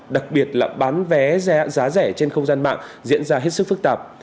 đặc biệt là bán vé giá rẻ trên không gian mạng diễn ra hết sức phức tạp